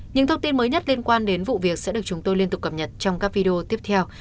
những thông tin mới nhất liên quan đến vụ việc sẽ được chúng tôi liên tục cập nhật trong các video tiếp theo